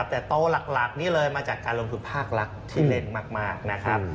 แต่โตหลักนี่เลยมาจากการลงทุนภาคลักษณ์ที่เล่นมากนะครับ